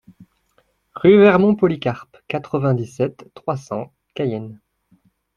Rue Vermont Polycarpe, quatre-vingt-dix-sept, trois cents Cayenne